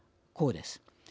こうです。